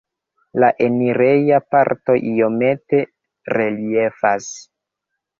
La enireja parto iomete reliefas.